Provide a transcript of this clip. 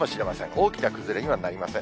大きな崩れにはなりません。